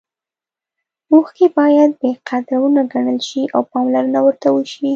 اوښکې باید بې قدره ونه ګڼل شي او پاملرنه ورته وشي.